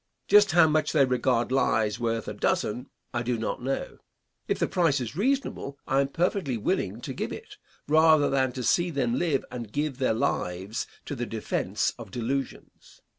Just how much they regard lies worth a dozen I do not know. If the price is reasonable I am perfectly willing to give it, rather than to see them live and give their lives to the defence of delusions.